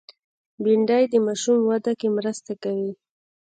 بېنډۍ د ماشوم وده کې مرسته کوي